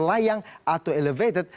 layang atau elevated